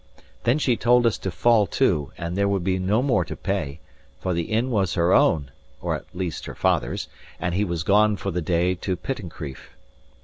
Then she told us to fall to, and there would be no more to pay; for the inn was her own, or at least her father's, and he was gone for the day to Pittencrieff.